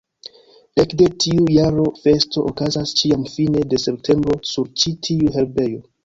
Ekde tiu jaro festo okazas ĉiam fine de septembro sur ĉi-tiu herbejo.